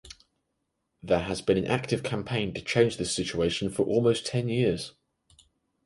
There has been an active campaign to change this situation for almost ten years.